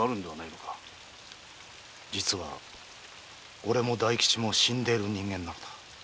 実は俺も大吉も死んでいる人間なんだ。